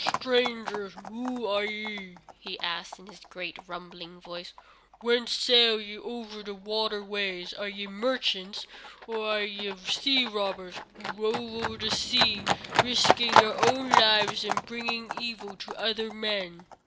"Strangers, who are ye?" he asked, in his great, rumbling voice. "Whence sail ye over the watery ways? Are ye merchants? or are ye sea robbers who rove over the sea, risking your own lives and bringing evil to other men?"